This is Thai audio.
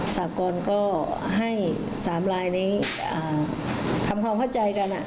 สากรก็ให้๓ลายนี้ทำความเข้าใจกัน